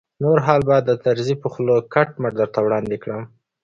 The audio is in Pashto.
نور حال به د طرزي په خوله کټ مټ درته وړاندې کړم.